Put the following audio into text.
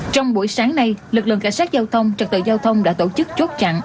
trong buổi sáng nay lực lượng cảnh sát giao thông trật tự giao thông đã tổ chức chốt chặn